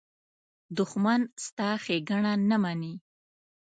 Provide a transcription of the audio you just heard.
دښمن ستا ښېګڼه نه مني